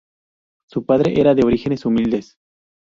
Su padre era de orígenes humildes.